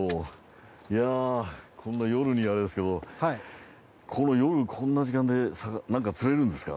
いやこんな夜にあれですけど夜こんな時間でなんか釣れるんですか？